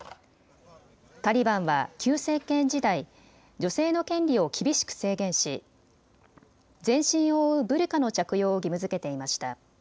タリバンは旧政権時代、女性の権利を厳しく制限し全身を覆うブルカの着用を義務づけていました。